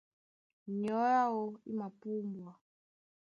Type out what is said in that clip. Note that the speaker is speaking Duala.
Nyɔ̌ áō í mapúmbwa.